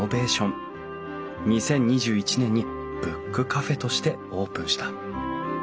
２０２１年にブックカフェとしてオープンした。